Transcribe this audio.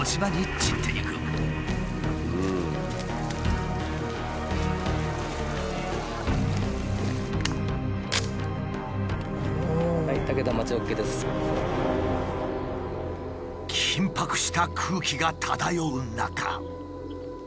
緊迫した空気が漂う中。